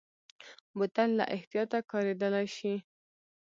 بوتل له احتیاطه کارېدلی شي.